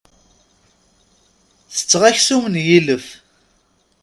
Tetteɣ aksum n yilef.